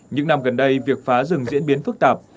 những năm gần đây việc phá rừng diễn biến phức tạp